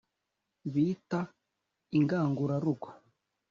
Bita Ingangurarugo